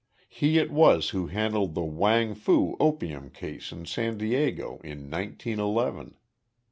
He it was who handled the Wang Foo opium case in San Diego in nineteen eleven.